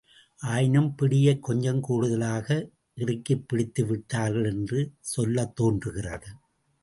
ஆயினும் பிடியைக் கொஞ்சம் கூடுதலாக இறுக்கிப் பிடித்துவிட்டார்கள் என்று சொல்லத் தோன்றுகிறது.